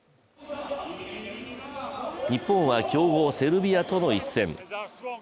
日本は強豪・セルビアとの一戦。